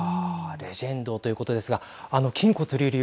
レジェンドということですがあの筋骨隆々